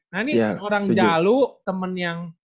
nah ini orang jalu temen yang